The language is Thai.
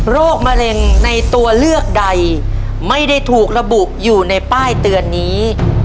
มะเร็งในตัวเลือกใดไม่ได้ถูกระบุอยู่ในป้ายเตือนนี้